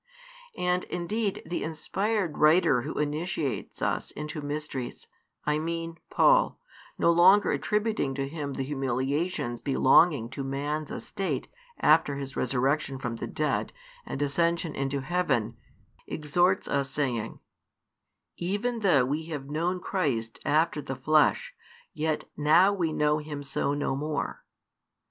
And indeed, the inspired writer who initiates us into mysteries, I mean Paul, no longer attributing to Him the humiliation |352 belonging to man's estate after His resurrection from the dead and ascension into heaven, exhorts us saying: Even though we have known Christ after the flesh, yet now we know Him so no more.